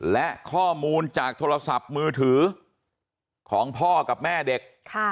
และข้อมูลจากโทรศัพท์มือถือของพ่อกับแม่เด็ก